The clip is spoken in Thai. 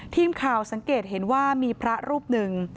ทีมข่าวสังเกตเห็นว่ามีพระรูปหนึ่ง